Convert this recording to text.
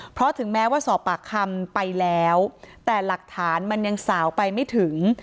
เพราะถึงแม้ว่าสอบปากคำไปแล้วแต่หลักฐานมันยังสาวไปไม่ถึง